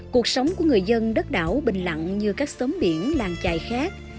cuộc sống của người dân đất đảo bình lặng như các xóm biển làng trài khác